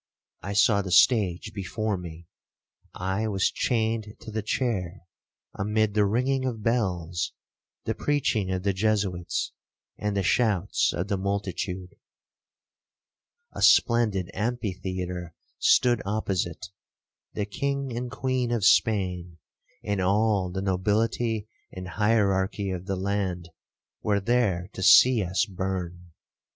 I saw the stage before me,—I was chained to the chair, amid the ringing of bells, the preaching of the Jesuits, and the shouts of the multitude. A splendid amphitheatre stood opposite,—the king and queen of Spain, and all the nobility and hierarchy of the land, were there to see us burn.